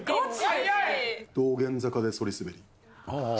道玄坂でそり滑り。